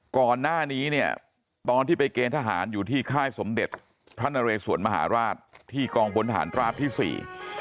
ก่อนหน้านี้เนี่ยตอนที่ไปเกณฑ์ทหารอยู่ที่ค่ายสมเด็จพระนเรสวนมหาราชที่กองพลฐานราบที่สี่